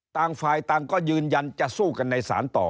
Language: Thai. ต่างฝ่ายต่างก็ยืนยันจะสู้กันในศาลต่อ